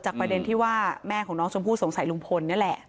ประเด็นที่ว่าแม่ของน้องชมพู่สงสัยลุงพลนี่แหละ